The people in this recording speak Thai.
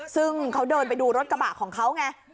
ซึ่งเขาเดินไปดูรถกระบะของเขาไง